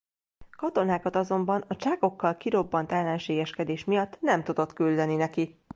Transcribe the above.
Katonákat azonban a Csákokkal kirobbant ellenségeskedés miatt nem tudott küldeni neki.